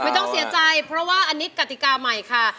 ต้องเสียใจเพราะว่าอันนี้กติกาใหม่ค่ะ